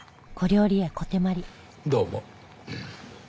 どうも。